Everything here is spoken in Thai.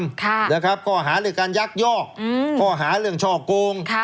ค่ะนะครับข้อหาเรื่องการยักยอกอืมข้อหาเรื่องช่อโกง